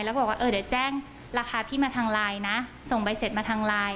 แล้วก็บอกว่าเออเดี๋ยวแจ้งราคาพี่มาทางไลน์นะส่งใบเสร็จมาทางไลน์